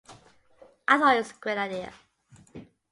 I thought it was a great idea.